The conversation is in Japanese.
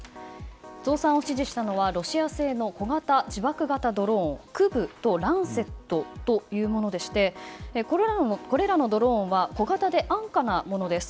増産を指示したのはロシア製の小型自爆型ドローンクブとランセットというものでしてこれらのドローンは小型で安価なものです。